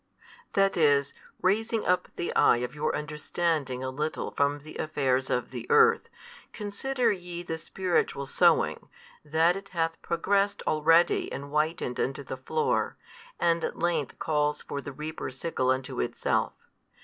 That is, raising up the eye of your understanding a little from the affairs of the earth, consider ye the spiritual sowing, that it hath progressed already and whitened unto the floor, and at length calls for the reaper's sickle unto itself.